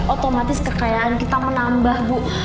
otomatis kekayaan kita menambah bu